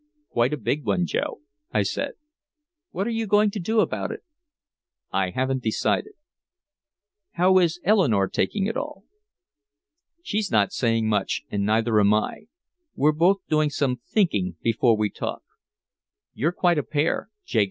"Quite a big one, Joe," I said. "What are you going to do about it?" "I haven't decided." "How is Eleanore taking it all?" "She's not saying much and neither am I. We're both doing some thinking before we talk." "You're a quiet pair," J.